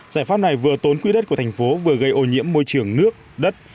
giải pháp này vừa tốn quỹ đất của thành phố vừa gây ô nhiễm môi trường nước đất